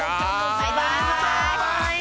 バイバイ！